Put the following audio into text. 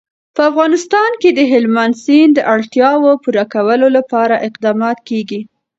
په افغانستان کې د هلمند سیند د اړتیاوو پوره کولو لپاره اقدامات کېږي.